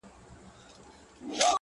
نه پوهیږي چي دی څوک دی د کوم قام دی -